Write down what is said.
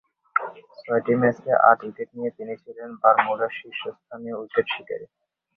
ছয়টি ম্যাচে আট উইকেট নিয়ে তিনি ছিলেন বারমুডার শীর্ষস্থানীয় উইকেট শিকারী।